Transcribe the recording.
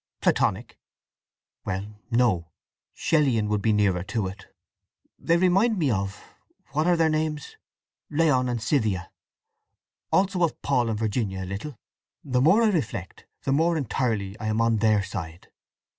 "Platonic!" "Well no. Shelleyan would be nearer to it. They remind me of—what are their names—Laon and Cythna. Also of Paul and Virginia a little. The more I reflect, the more entirely I am on their side!"